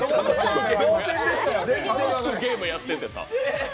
楽しくゲームやっててさ。